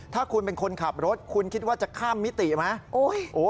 ถ้าคุณเป็นคนขับรถคุณคิดว่าจะข้ามมิติไหม